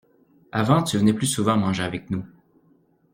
Avant tu venais plus souvent manger avec nous.